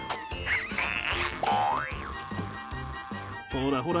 ほらほら